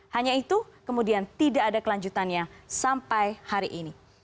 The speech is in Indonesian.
hanya itu kemudian tidak ada kelanjutannya sampai hari ini